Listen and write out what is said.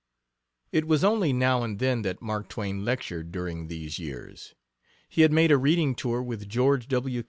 It was only now and then that Mark Twain lectured during these years. He had made a reading tour with George W.